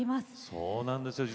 そうなんですよ。